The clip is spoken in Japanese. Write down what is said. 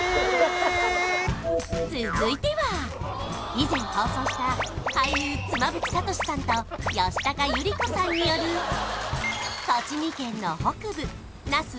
以前放送した俳優妻夫木聡さんと吉高由里子さんによる栃木県の北部那須塩原市でのグルメ探し